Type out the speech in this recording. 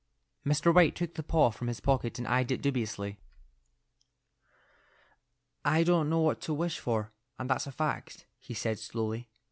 Mr. White took the paw from his pocket and eyed it dubiously. "I don't know what to wish for, and that's a fact," he said, slowly.